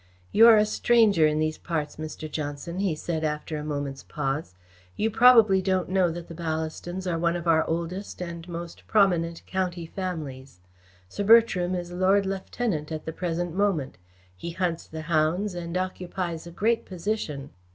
"You are a stranger in these parts, Mr. Johnson," he said, after a moment's pause. "You probably don't know that the Ballastons are one of our oldest and most prominent county families. Sir Bertram is Lord Lieutenant at the present moment. He hunts the hounds and occupies a great position."